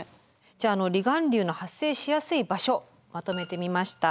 じゃああの離岸流の発生しやすい場所まとめてみました。